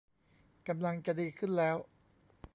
กำลังจะดีขึ้นแล้ว